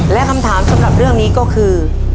และคำถามสำหรับเรื่องนี้ก็คือ